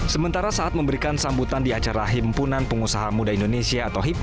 sementara saat memberikan sambutan di acara himpunan pengusaha muda indonesia atau hip